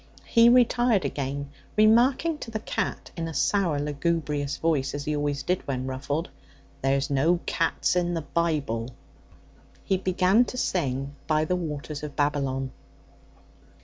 He retired again, remarking to the cat in a sour lugubrious voice, as he always did when ruffled: 'There's no cats i' the Bible.' He began to sing 'By the waters of Babylon.'